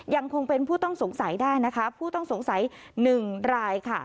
ยังคงเป็นผู้ต้องสงสัยได้นะคะผู้ต้องสงสัย๑รายค่ะ